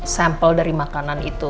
sample dari makanan itu